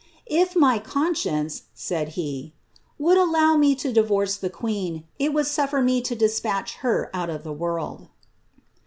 ^ If my conscience," said ^ would allow me to divorce the queen, it would sufler me to Itch her out of the world."'